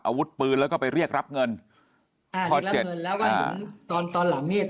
อาวุธปืนแล้วก็ไปเรียกรับเงินอ่า